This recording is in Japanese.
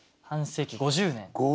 半世紀５０年。